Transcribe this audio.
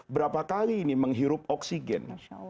berapa kali ini menghirup oksigen